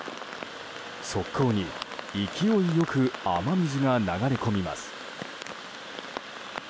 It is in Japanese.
側溝に、勢い良く雨水が流れ込みます。